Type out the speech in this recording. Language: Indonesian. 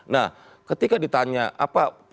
nah ketika ditanya apa